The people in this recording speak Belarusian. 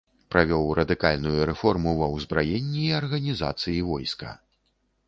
Правёў радыкальную рэформу ва ўзбраенні і арганізацыі войска.